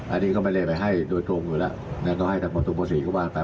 อันนี้ก็ไม่ได้ไปให้โดยตรงอยู่แล้วนั่นก็ให้ทางบัตรศูนย์ประสิทธิ์เข้าบ้านไป